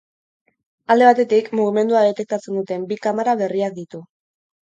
Alde batetik, mugimendua detektatzen duten bi kamara berriak ditu.